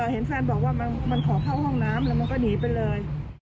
เห็นแฟนบอกว่ามันขอเข้าห้องน้ำแล้วมันก็หนีไปเลย